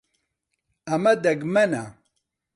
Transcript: ئەمە دەگمەنە.